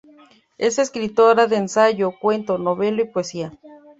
Es escritora de ensayo, cuento, novela y poesía.